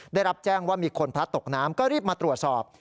ได้รับแจ้งว่ามีคนพลัดตกน้ำก็รีบมาตรวจสอบ